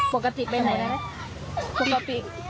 ปกติไปไหนนะครับ